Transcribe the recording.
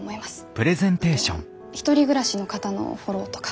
あとは１人暮らしの方のフォローとか。